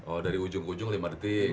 oh dari ujung ke ujung lima detik